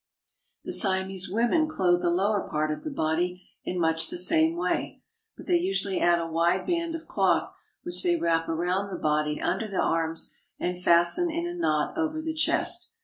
The Siamese women clothe the lower part of the body in much the same way ; but they usually add a wide band of cloth which they wrap around the body under the arms and fasten in a knot over the chest.